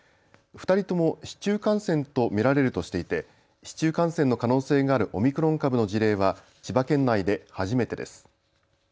２人とも市中感染と見られるとしていて市中感染の可能性があるオミクロン株の事例は千葉県内で初めてです。